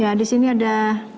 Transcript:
ya di sini ada